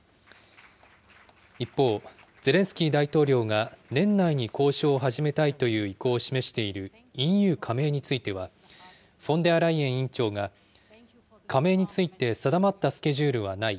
一方、ゼレンスキー大統領が年内に交渉を始めたいという意向を示しているＥＵ加盟については、フォンデアライエン委員長が、加盟について定まったスケジュールはない。